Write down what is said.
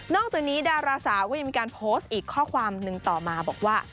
จากนี้ดาราสาวก็ยังมีการโพสต์อีกข้อความหนึ่งต่อมาบอกว่า